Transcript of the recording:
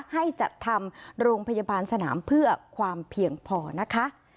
ให้จัดทำโรงพยาบาลสนามเพื่อความเพียงพอนะคะ